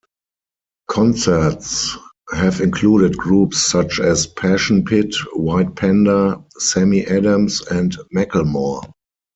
Concerts have included groups such as Passion Pit, White Panda, Sammy Adams, and Macklemore.